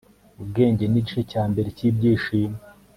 ubwenge nigice cyambere cyibyishimo